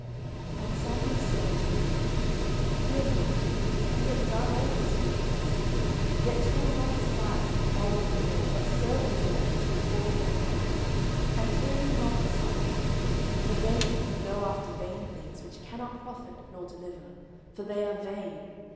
09:012:020 And Samuel said unto the people, Fear not: ye have done all this wickedness: yet turn not aside from following the LORD, but serve the LORD with all your heart; 09:012:021 And turn ye not aside: for then should ye go after vain things, which cannot profit nor deliver; for they are vain.